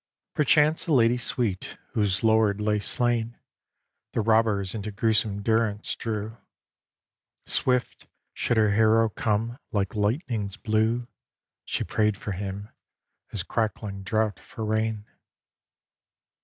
XVI Perchance a lady sweet, whose lord lay slain, The robbers into gruesome durance drew. Swift should her hero come, like lightning's blue! She prayed for him, as crackling drought for rain.